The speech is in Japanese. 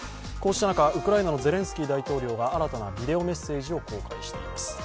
こうした中ウクライナのゼレンスキー大統領が新たなビデオメッセージを公開しています。